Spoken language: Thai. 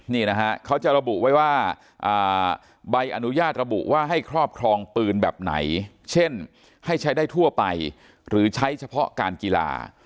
นี่นะฮะเขาจะระบุไว้ว่าใบอนุญาตระบุว่าให้ครอบครองปืนแบบไหนเช่นให้ใช้ได้ทั่วไปหรือใช้เฉพาะการกีฬา